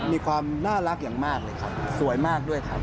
มีความน่ารักอย่างมากเลยครับสวยมากด้วยครับ